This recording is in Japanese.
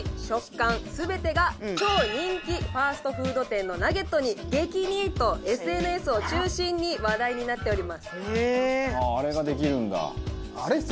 食感全てが超人気ファストフード店のナゲットに激似とＳＮＳを中心に話題になっております。